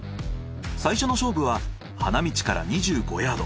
最初の勝負は花道から２５ヤード。